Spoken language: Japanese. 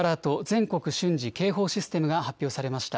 ・全国瞬時警報システムが発表されました。